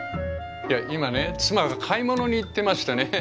いや今ね妻が買い物に行ってましてね